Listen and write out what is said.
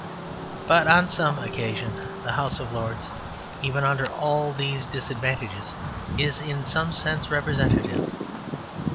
But on some occasions the House of Lords, even under all these disadvantages, is in some sense representative.